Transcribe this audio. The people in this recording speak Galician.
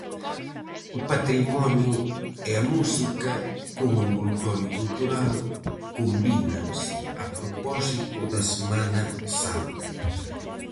O patrimonio e a música, cun envoltorio cultural, combínanse a propósito da Semana Santa.